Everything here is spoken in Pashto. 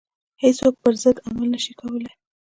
هیڅوک پر ضد عمل نه شي کولای.